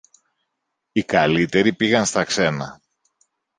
οι καλύτεροι πήγαν στα ξένα